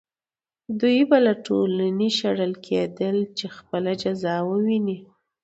دوی به له ټولنې شړل کېدل چې خپله جزا وویني.